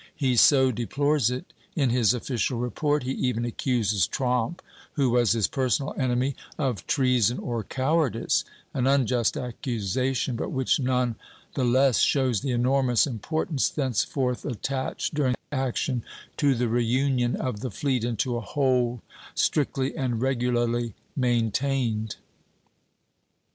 He so deplores it in his official report; he even accuses Tromp [who was his personal enemy] of treason or cowardice, an unjust accusation, but which none the less shows the enormous importance thenceforth attached, during action, to the reunion of the fleet into a whole strictly and regularly maintained."